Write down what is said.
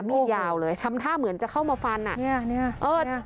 มีดยาวเลยทำท่าเหมือนจะเข้ามาฟันอ่ะเนี้ยเนี้ยเออ